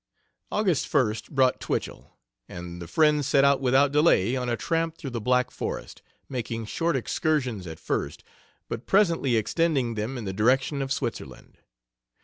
August 1st brought Twichell, and the friends set out without delay on a tramp through the Black Forest, making short excursions at first, but presently extending them in the direction of Switzerland.